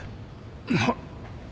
なっ。